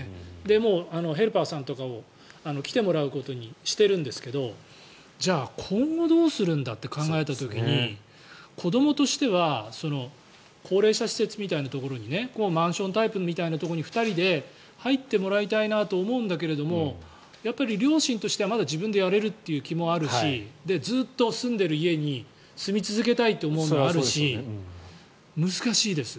もうヘルパーさんとかを来てもらうことにしてるんですがじゃあ、今後どうするんだと考えた時に子どもとしては高齢者施設みたいなところにマンションタイプみたいなところに２人で入ってもらいたいなと思うけれどもやっぱり両親としてはまだ自分でやれるという気もあるしずっと住んでいる家に住み続けたいという思いもあるし難しいです。